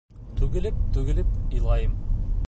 Түгелеп-түгелеп илайым.